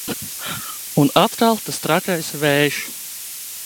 Un atkal tas trakais vējš!